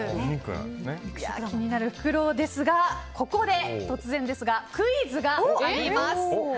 気になるフクロウですがここで、突然ですがクイズがあります。